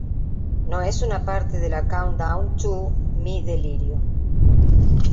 No es una parte de la "Countdown to "Mi delirio"".